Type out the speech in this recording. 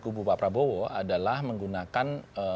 kupu bapak prabowo adalah menggunakan